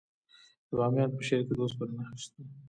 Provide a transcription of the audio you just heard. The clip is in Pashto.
د بامیان په شیبر کې د وسپنې نښې شته.